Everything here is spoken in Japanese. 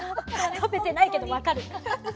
食べてないけど分かる。